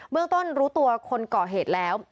เมื่อกลักษณ์รู้ตัวคนเกาะเหตุแล้ว